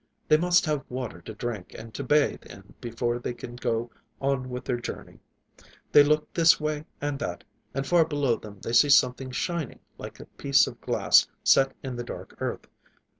They must have water to drink and to bathe in before they can go on with their journey. They look this way and that, and far below them they see something shining, like a piece of glass set in the dark earth.